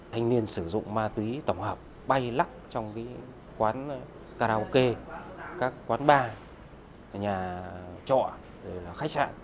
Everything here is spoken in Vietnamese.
thanh niên sử dụng ma túy tổng hợp bay lắc trong quán karaoke các quán bar nhà trọ khách sạn